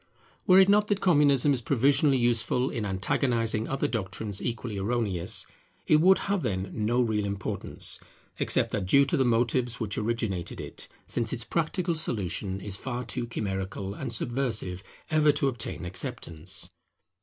Were it not that Communism is provisionally useful in antagonizing other doctrines equally erroneous, it would have, then, no real importance, except that due to the motives which originated it; since its practical solution is far too chimerical and subversive ever to obtain acceptance.